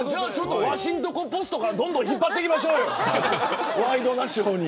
ワシんとこ・ポストからどんどん引っ張ってきましょうよワイドナショーに。